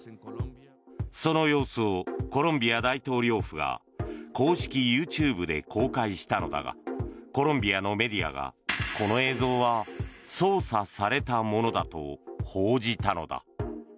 その様子をコロンビア大統領府が公式ＹｏｕＴｕｂｅで公開したのだがコロンビアのメディアがこの映像は操作されたものだと報じたのだ。